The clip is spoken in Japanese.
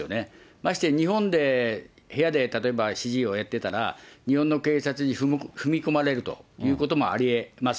まして日本で、部屋で、例えば指示をやってたら、日本の警察に踏み込まれるということもありえます。